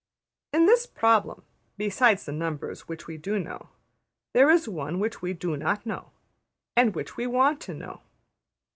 In this problem, besides the numbers which we do know, there is one which we do not know, and which we want to know.